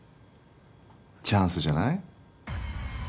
チャンスじゃない？